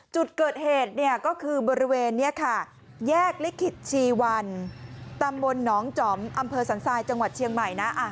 จุดเกิดเหตุเนี่ยก็คือบริเวณนี้ค่ะแยกลิขิตชีวันตำบลหนองจอมอำเภอสันทรายจังหวัดเชียงใหม่นะ